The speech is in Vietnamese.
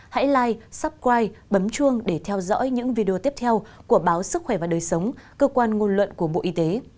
hãy live suprite bấm chuông để theo dõi những video tiếp theo của báo sức khỏe và đời sống cơ quan ngôn luận của bộ y tế